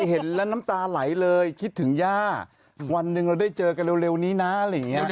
ก็ได้เจอกันวันนึงแกไม่ตาย